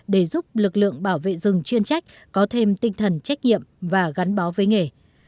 để giúp lực lượng bảo vệ rừng chuyên trách có thêm tinh thần trách nhiệm và gắn bó với nghề